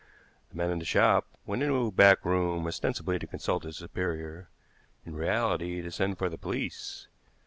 The man in the shop went into a back room ostensibly to consult his superior, in reality to send for the police.